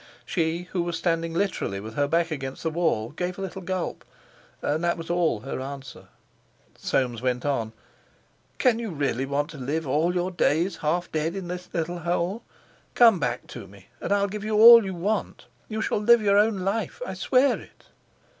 She, who was standing literally with her back against the wall, gave a little gulp, and that was all her answer. Soames went on: "Can you really want to live all your days half dead in this little hole? Come back to me, and I'll give you all you want. You shall live your own life; I swear it."